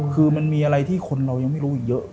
คือมันมีอะไรที่คนเรายังไม่รู้อีกเยอะ